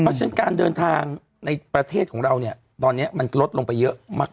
เพราะฉะนั้นการเดินทางในประเทศของเราเนี่ยตอนนี้มันลดลงไปเยอะมาก